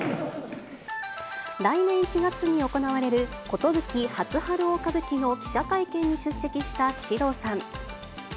来年１月に行われる壽・初春大歌舞伎の記者会見に出席した獅童さん。